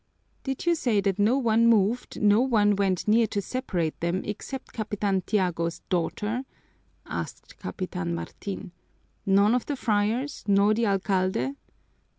"Did you say that no one moved, no one went near to separate them, except Capitan Tiago's daughter?" asked Capitan Martin. "None of the friars, nor the alcalde?